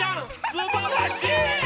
すばらしい！